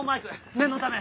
念のため。